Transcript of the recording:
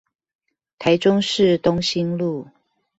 臺中市東興路